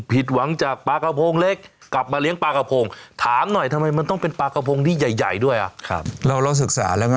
ผิดหวังจากปลากระโพงเล็ก